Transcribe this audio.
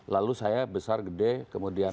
lalu saya besar gede kemudian